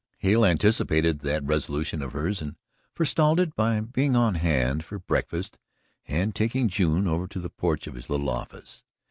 Hale anticipated that resolution of hers and forestalled it by being on hand for breakfast and taking June over to the porch of his little office.